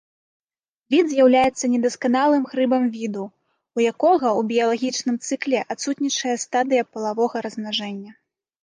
Від з'яўляецца недасканалым грыбам віду, у якога ў біялагічным цыкле адсутнічае стадыя палавога размнажэння.